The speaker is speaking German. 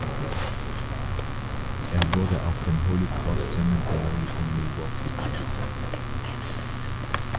Er wurde auf dem "Holy Cross Cemetery" in Milwaukee beigesetzt.